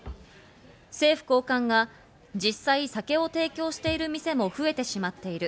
政府高官が、実際酒を提供している店も増えてしまっている。